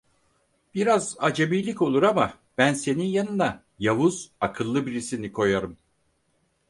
Biraz acemilik olur ama, ben senin yanına yavuz, akıllı birisini koyarım.